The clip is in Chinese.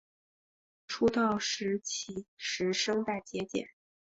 出道时其实声带结茧。